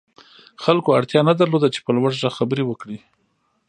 خلکو اړتيا نه درلوده چې په لوړ غږ خبرې وکړي.